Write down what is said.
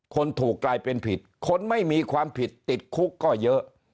คนถูกกลายเป็นผิดคนไม่มีความผิดติดคุกก็เยอะ